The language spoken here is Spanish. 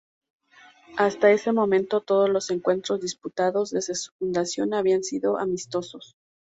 Hasta ese momento todos los encuentros disputados desde su fundación habían sido amistosos.